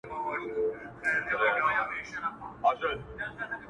اورته خپل او پردي يو دي.